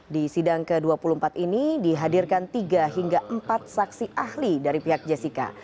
di sidang ke dua puluh empat ini dihadirkan tiga hingga empat saksi ahli dari pihak jessica